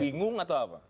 bingung atau apa